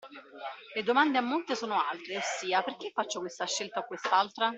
Le domande a monte sono altre, ossia, perché faccio questa scelta o quest’altra?